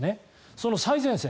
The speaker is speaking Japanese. その最前線